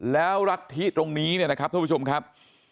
แล้วรัฐธิตรงนี้เนี่ยนะครับท่านผู้ชมครับ